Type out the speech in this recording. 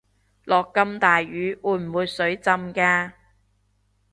落咁大雨會唔會水浸架